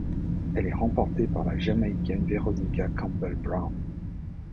Elle est remportée par la Jamaïcaine Veronica Campbell-Brown.